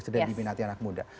dari minati anak muda